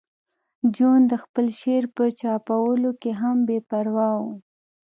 جون د خپل شعر په چاپولو کې هم بې پروا و